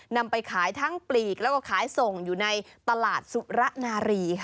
นำไปขายทั้งปลีกแล้วก็ขายส่งอยู่ในตลาดสุระนารีค่ะ